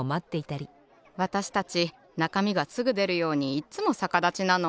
わたしたちなかみがすぐでるようにいっつもさかだちなの。